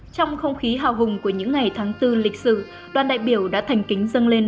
trong không khí hào hùng của những ngày tháng bốn lịch sử đoàn đại biểu đã thành kính dâng lên